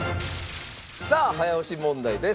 さあ早押し問題です。